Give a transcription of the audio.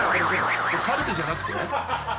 これカルテじゃなくて？